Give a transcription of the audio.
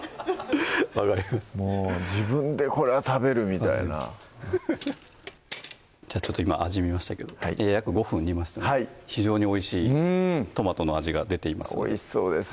分かります「自分でこれは食べる」みたいな今味見ましたけど約５分煮ましたので非常においしいトマトの味が出ていますのでおいしそうです